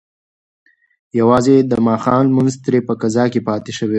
یوازې د ماښام لمونځ ترې په قضا کې پاتې شوی و.